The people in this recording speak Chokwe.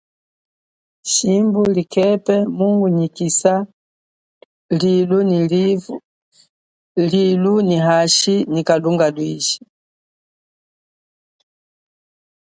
Shimbu likepe mungunyikisa lilu nyi hashi, mavu nyi kalunga lwiji.